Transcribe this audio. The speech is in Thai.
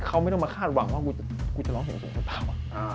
เขาไม่ต้องมาคาดหวังว่ากูจะร้องเพลงเอาไปป่ะ